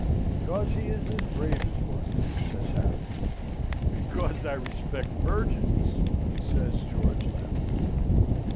"Because he is as brave as one," says Harry. "Because I respect virgins!" says George, laughing.